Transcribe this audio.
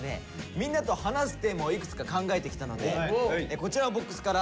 みんなと話すテーマをいくつか考えてきたのでこちらのボックスから。